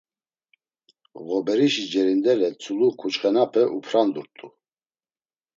Ğoberişi cerindele tzulu ǩuçxenape uprandurt̆u.